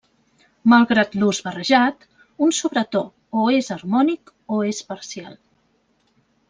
Malgrat l'ús barrejat, un sobretò o és harmònic o és parcial.